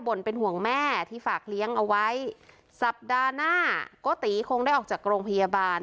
่นเป็นห่วงแม่ที่ฝากเลี้ยงเอาไว้สัปดาห์หน้าโกติคงได้ออกจากโรงพยาบาล